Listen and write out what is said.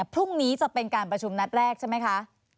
พรุ่งนี้จะเป็นการประชุมนัดแรกใช่ไหมคะ